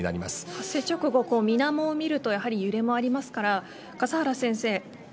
発生直後、水面を見るとやはり揺れもありますから笠原先生